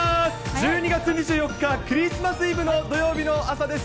１２月２４日、クリスマス・イブの土曜日の朝です。